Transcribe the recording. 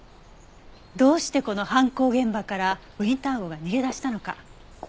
どうしてこの犯行現場からウィンター号が逃げ出したのか。